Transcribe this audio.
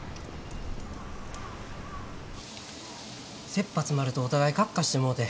せっぱ詰まるとお互いカッカしてもうて。